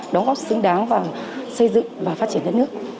đóng góp xứng đáng vào xây dựng và phát triển đất nước